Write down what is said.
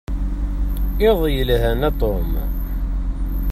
Iḍ yelhan a Tom.